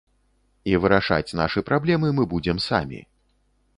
І вырашаць нашы праблемы мы будзем самі.